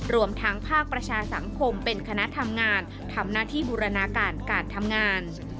รวมทั้งภาคประชาสังคมเป็นคณะทำงานทำหน้าที่บูรณาการการทำงาน